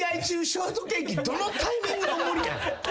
ショートケーキどのタイミングでも無理やねん。